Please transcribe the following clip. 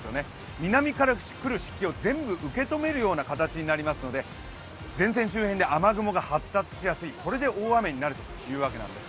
南からくる湿気を全部受け止める形になりますので、前線周辺で雨雲が発達しやすいそれで大雨になるというわけなんです。